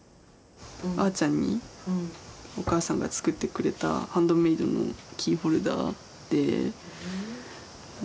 あーちゃんにお母さんが作ってくれたハンドメードのキーホルダーで何かめっちゃかわいい。